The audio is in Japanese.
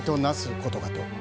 ことかと。